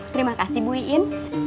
terima kasih bu iin